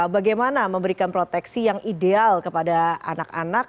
bagaimana memberikan proteksi yang ideal kepada anak anak